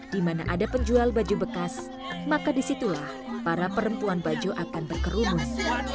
di mana ada penjual baju bekas maka disitulah para perempuan bajo akan berkerumus